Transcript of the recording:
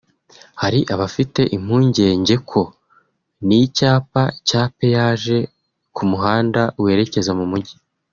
Hari abafite impungenge ko n’icyapa cya Peyaje ku muhanda werekeza mu mujyi